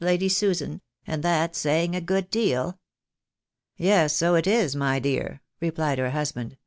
Lady Susan — and that's saying a good deal." " Yes, so it is, my dear," replied her husband.